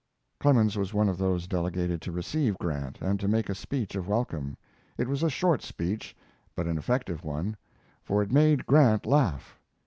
Clemens was one of those delegated to receive Grant and to make a speech of welcome. It was a short speech but an effective one, for it made Grant laugh.